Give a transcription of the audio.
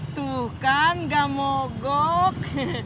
tuh kan enggak mau gok